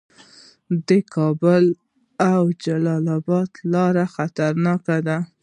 د کابل او جلال اباد لاره خطرناکه ده